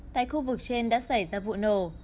tại khu vực trên đã xảy ra vụ nổ